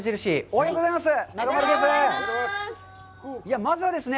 おはようございます。